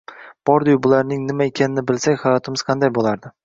bordi-yu, bularning nima ekanini bilsak, hayotimiz qanday bo’lardi?